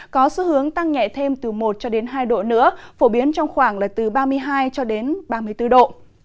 có xu hướng tăng nhẹ thêm từ một cho đến hai độ nữa phổ biến trong khoảng là từ ba mươi hai cho đến ba mươi bốn độ